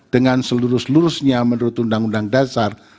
dengan selurus lurusnya menurut undang undang dasar